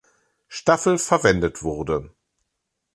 Staffel verwendet wurde.